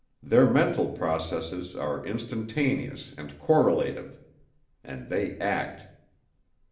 Their mental processes are instantaneous and correlative and they act.